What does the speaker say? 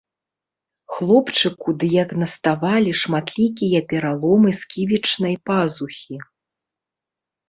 Хлопчыку дыягнаставалі шматлікія пераломы сківічнай пазухі.